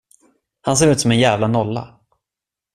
Han ser ut som en jävla nolla.